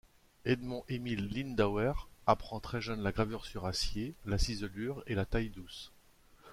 Edmond-Émile Lindauer apprend très jeune la gravure sur acier, la ciselure et la taille-douce.